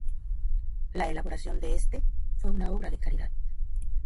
La elaboración de este fue una obra de caridad.